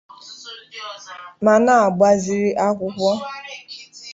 ma na-agbaziri akwụkwọ